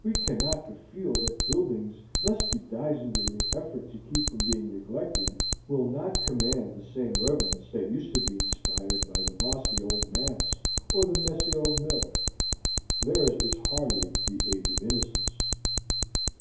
We cannot but feel that buildings thus bedizened in the effort to keep from being neglected, will not command the same reverence that used to be inspired by the mossy old manse or the messy old mill. Theirs is hardly the Age of Innocence.